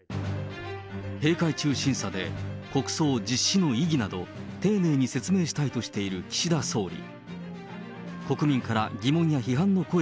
閉会中審査で、国葬実施の意義など、丁寧に説明したいとしている岸田総理。